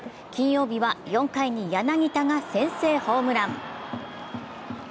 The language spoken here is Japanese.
金曜日は４回に柳田が先制ホームラン。